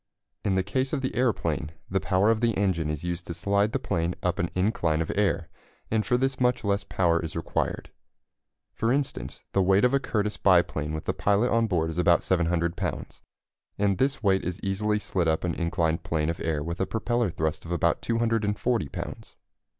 In the case of the aeroplane, the power of the engine is used to slide the plane up an incline of air, and for this much less power is required. For instance, the weight of a Curtiss biplane with the pilot on board is about 700 pounds, and this weight is easily slid up an inclined plane of air with a propeller thrust of about 240 pounds.